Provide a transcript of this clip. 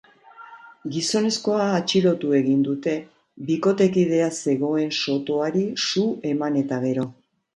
Gizonezkoa atxilotu egin dute, bikotekidea zegoen sotoari su eman eta gero.